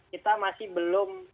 kita masih belum